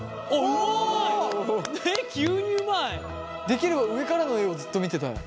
できれば上からの画をずっと見てたい。